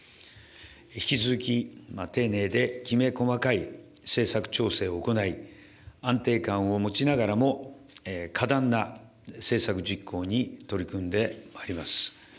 引き続き、丁寧できめ細かい、政策調整を行い、安定感を持ちながらも、果断な政策実行に取り組んでまいります。